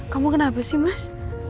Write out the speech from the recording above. kamu kenapa sih mas